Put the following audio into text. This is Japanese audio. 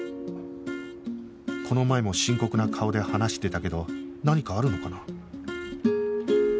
この前も深刻な顔で話してたけど何かあるのかな？